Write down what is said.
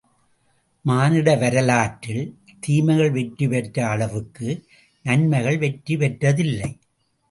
மானிட வரலாற்றில் தீமைகள் வெற்றி பெற்ற அளவுக்கு நன்மைகள் வெற்றி பெற்றதில்லை.